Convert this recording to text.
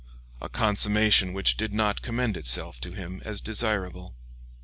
a consummation which did not commend itself to him as desirable.